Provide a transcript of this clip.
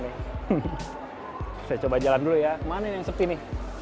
saya coba jalan dulu ya kemana nih yang seperti ini